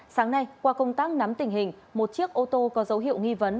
sáng nay qua công tác nắm tình hình một chiếc ô tô có dấu hiệu nghi vấn